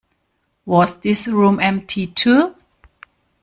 Was this room empty, too?